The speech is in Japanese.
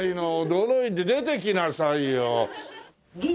驚いて出てきなさいよ。